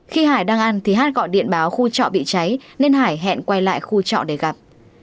khi hải đang ăn thì hát gọi điện báo khu trọ bị cháy nên hải hẹn quay lại khu trọ để gặp